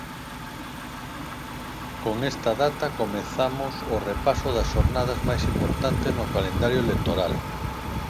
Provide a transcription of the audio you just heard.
Con esa data comezamos o repaso das xornadas máis importantes no calendario electoral.